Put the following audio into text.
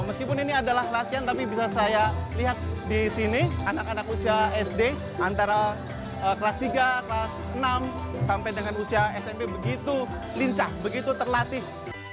meskipun ini adalah latihan tapi bisa saya lihat di sini anak anak usia sd antara kelas tiga kelas enam sampai dengan usia smp begitu lincah begitu terlatih